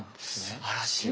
すばらしい！